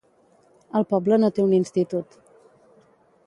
El poble no té un institut.